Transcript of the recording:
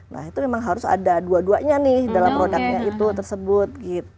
nah itu memang harus ada dua duanya nih dalam produknya itu tersebut